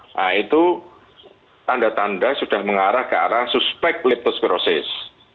nah itu tanda tanda sudah mengarah ke arah suspek liptospirosis